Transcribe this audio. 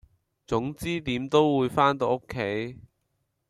總之點都會番到屋企